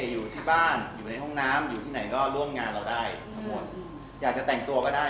อยู่ในห้องน้ำอยู่ที่ไหนก็ร่วมงานเราได้อยากจะแต่งตวก็ได้